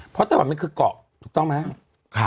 เพราะไต้หวันนี้คือกเกาะถูกต้องมั้ยฮะ